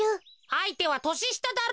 あいてはとししただろ。